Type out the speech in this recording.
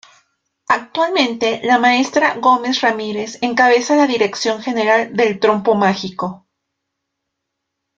Actualmente la maestra Marcela Gómez Ramírez encabeza la dirección general del Trompo Mágico.